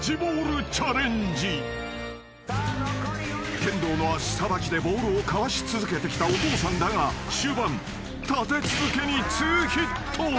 ［剣道の足さばきでボールをかわし続けてきたお父さんだが終盤立て続けに２ヒット］